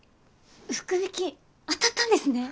福引当たったんですね！